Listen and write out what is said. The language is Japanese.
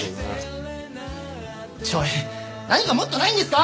ちょっ何かもっとないんですか？